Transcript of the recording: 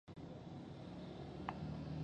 د موټر څراغونه باید د باران په وخت کار وکړي.